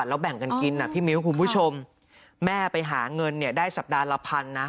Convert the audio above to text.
แล้วแบ่งกันกินพี่มิวคุณผู้ชมแม่ไปหาเงินได้สัปดาห์ละพัน